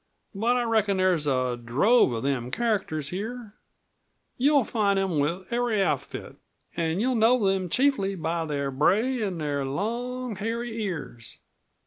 "But I reckon there's a drove of them characters here. You'll find them with every outfit, an' you'll know them chiefly by their bray an' their long, hairy ears."